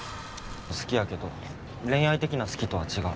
好きやけど恋愛的な好きとは違う。